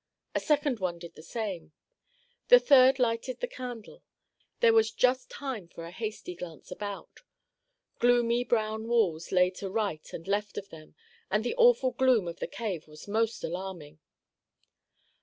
A second one did the same. The third lighted the candle. There was just time for a hasty glance about. Gloomy brown walls lay to right and left of them, and the awful gloom of the cave was most alarming.